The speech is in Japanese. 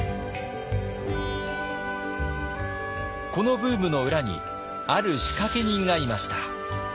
このブームの裏にある仕掛け人がいました。